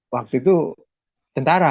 waktu itu tentara